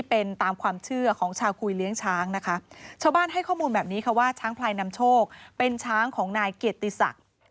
เป็นช้างของนายเกียรติศักดิ์